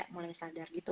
mulai sadar gitu